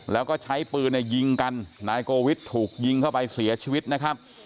แล้วก็ใช้ปืนเนี่ยยิงกันนายโกวิทย์ถูกยิงเข้าไปเสียชีวิตนะครับ